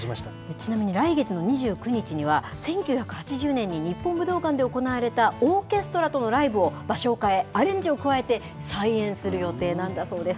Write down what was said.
ちなみに来月の２９日には、１９８０年に日本武道館で行われたオーケストラとのライブを、場所を変え、アレンジを加えて、再演する予定なんだそうです。